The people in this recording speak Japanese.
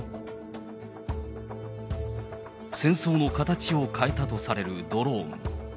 戦争の形を変えたとされるドローン。